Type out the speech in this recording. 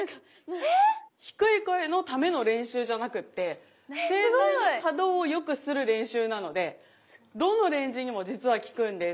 ええ⁉低い声のための練習じゃなくって声帯の可動を良くする練習なのでどのレンジにも実は効くんです。